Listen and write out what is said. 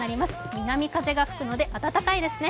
南風が吹くので暖かいですね。